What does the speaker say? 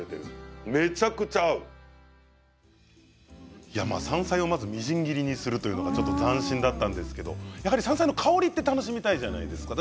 すごい何かね山菜をまずみじん切りにするというのがちょっと斬新だったんですけどやはり山菜の香りって楽しみたいじゃないですか。